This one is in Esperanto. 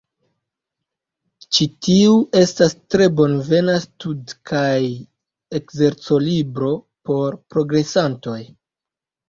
Ĉi tiu estas tre bonvena stud- kaj ekzerco-libro por progresantoj.